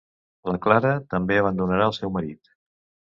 La Clara també abandonarà el seu marit.